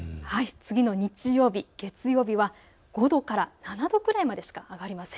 次の日曜日、月曜日は５度から７度くらいしか上がりません。